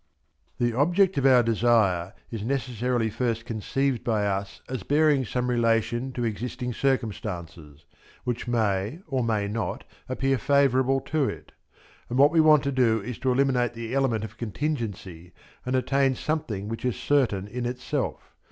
The object of our desire is necessarily first conceived by us as bearing some relation to existing circumstances, which may, or may not, appear favourable to it; and what we want to do is to eliminate the element of contingency and attain something which is certain in itself.